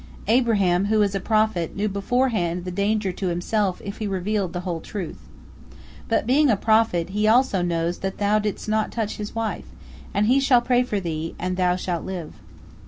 Abraham, who is a prophet, knew beforehand the danger to himself if he revealed the whole truth. But, being a prophet, he also knows that thou didst not touch his wife, and he shall pray for thee, and thou shalt live."